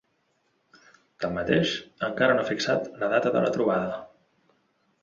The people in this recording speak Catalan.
Tanmateix, encara no ha fixat la data de la trobada.